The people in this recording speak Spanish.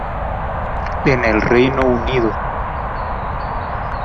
En el Reino Unido.